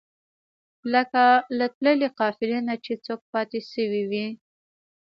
لکه له تللې قافلې نه چې څوک پاتې شوی وي.